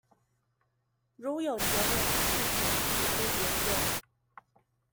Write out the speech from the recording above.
如有結論亦請提出研究